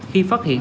khi phát hiện